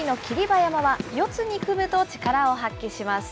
馬山は四つに組むと力を発揮します。